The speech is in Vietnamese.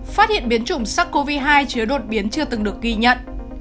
phát hiện biến chủng sars cov hai chứa đột biến chưa từng được ghi nhận